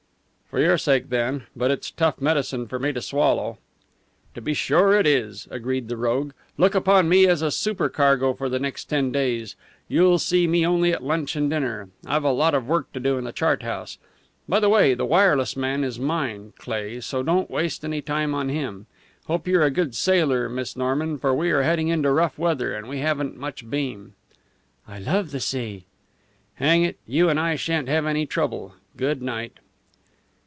"For your sake, then. But it's tough medicine for me to swallow." "To be sure it is," agreed the rogue. "Look upon me as a supercargo for the next ten days. You'll see me only at lunch and dinner. I've a lot of work to do in the chart house. By the way, the wireless man is mine, Cleigh, so don't waste any time on him. Hope you're a good sailor, Miss Norman, for we are heading into rough weather, and we haven't much beam." "I love the sea!" "Hang it, you and I shan't have any trouble! Good night."